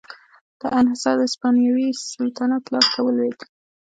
دا انحصار د هسپانوي سلطنت لاس ته ولوېد.